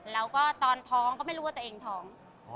แล้วก็ตอนท้องก็ไม่รู้ว่าตัวเองท้อง